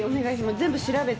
全部調べて。